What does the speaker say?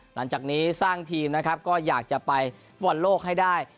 หลังจากนี้สร้างทีมนะครับก็อยากจะไปฟุตบอลโลกให้ได้